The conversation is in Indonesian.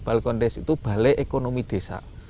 balkon desk itu balai ekonomi desa